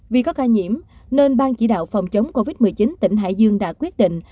vì có ca nhiễm nên ban chỉ đạo phòng chống covid một mươi chín tỉnh hải dương đã quyết định